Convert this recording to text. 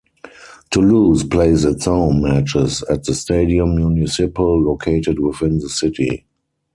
Toulouse plays its home matches at the Stadium Municipal located within the city.